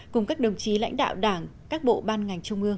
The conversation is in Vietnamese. cùng các đồng chí lãnh đạo đảng các bộ ban ngành trung ương